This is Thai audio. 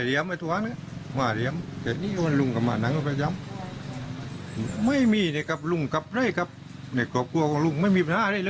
พ่อเราทราบไหมว่าตัวของพี่ลูกชายไปทะเลาะกับเค้าเรื่องปั๊มน้ำอะครับ